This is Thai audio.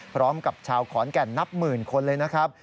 พร้อมกับชาวขอนแก่นนับหมื่นคนเลยนะครับ